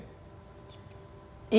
apakah itu yang akan diperoleh oleh presiden